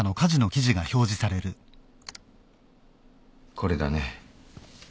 これだね。